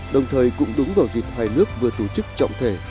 đồng thời cũng đúng vào dịp hai nước vừa tổ chức trọng thể